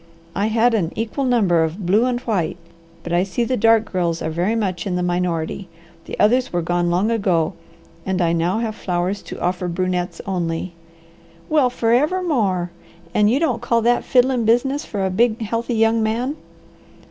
I had an equal number of blue and white, but I see the dark girls are very much in the minority. The others were gone long ago, and I now have flowers to offer brunettes only." "Well forever more! And you don't call that fiddlin' business for a big, healthy, young man?"